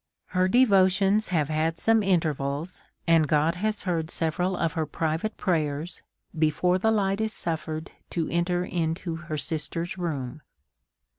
Her devotions have had some intervals, and God 78 A SERIOUS CALL TO A has heard several of her private prayers^ before the lig ht is suffered to enter into her sister's room.